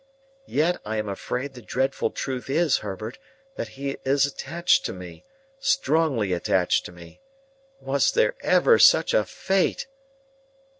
"Yet I am afraid the dreadful truth is, Herbert, that he is attached to me, strongly attached to me. Was there ever such a fate!"